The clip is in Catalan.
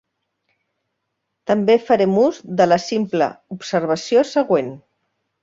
També farem ús de la simple observació següent.